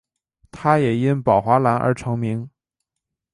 他也因宝华蓝而成名。